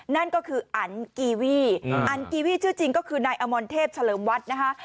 นั่นก็คืออันกีวีอันกีวี่ชื่อจริงก็คือนายอมรเทพเฉลิมวัดนะคะ